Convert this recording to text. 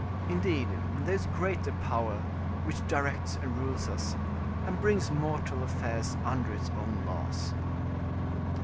Indeed there is a greater power which directs and rules us, and brings mortal affairs under its own laws."